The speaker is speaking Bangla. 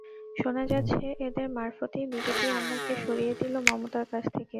শোনা যাচ্ছে, এঁদের মারফতই বিজেপি আন্নাকে সরিয়ে দিল মমতার কাছ থেকে।